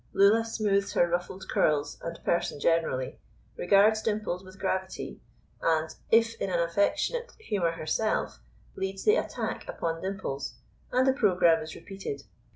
Lulla smooths her ruffled curls and person generally, regards Dimples with gravity, and, if in an affectionate humour herself, leads the attack upon Dimples, and the programme is repeated.